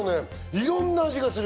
いろんな味がする。